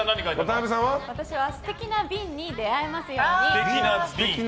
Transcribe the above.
私は素敵な瓶に出会えますように。